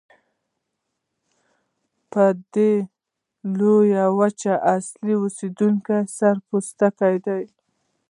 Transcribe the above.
د دې لویې وچې اصلي اوسیدونکي سره پوستکي دي.